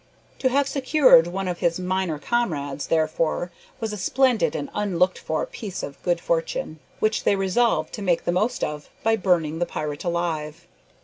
To have secured one of his minor comrades, therefore, was a splendid and unlooked for piece of good fortune, which they resolved to make the most of by burning the pirate alive.